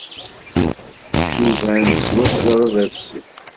Cuban swaswa baba-tsen.